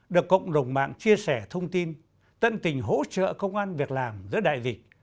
được cộng đồng mạng chia sẻ thông tin tận tình hỗ trợ công an việc làm giữa đại dịch